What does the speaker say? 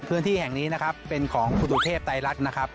พื้นที่แห่งนี้นะครับเป็นของคุณตุเทพไตรรัฐนะครับ